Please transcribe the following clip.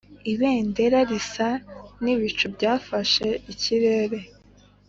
ibendera risa n'ibicu byafashe ikirere,